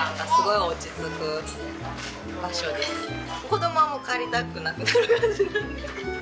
子供はもう帰りたくなくなる感じなんで。